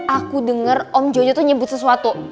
aku dengar om jonya tuh nyebut sesuatu